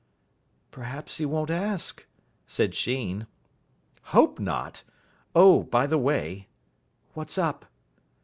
"Perhaps he won't ask," said Sheen. "Hope not. Oh, by the way " "What's up?"